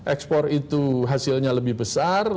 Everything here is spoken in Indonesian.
ekspor itu hasilnya lebih besar